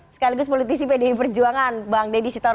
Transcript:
sekaligus politisi pdi perjuangan bang deddy sitawari